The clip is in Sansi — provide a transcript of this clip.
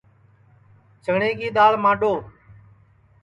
چٹؔیں کی دؔاݪ مانٚڈؔو